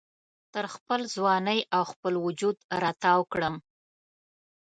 تر خپل ځوانۍ او خپل وجود را تاو کړم